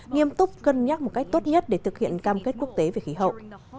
nghiêm túc cân nhắc một cách tốt nhất để thực hiện cam kết quốc tế về khí hậu